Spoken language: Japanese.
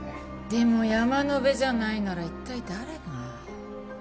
でも山野辺じゃないなら一体誰が？